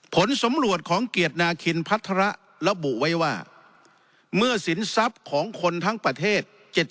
ผลสำรวจของเกียรตินาคินพัฒระระบุไว้ว่าเมื่อสินทรัพย์ของคนทั้งประเทศ